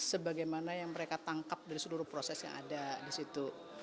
sebagaimana yang mereka tangkap dari seluruh proses yang ada di situ